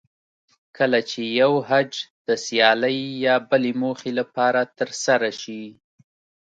کله چې یو حج د سیالۍ یا بلې موخې لپاره ترسره شي.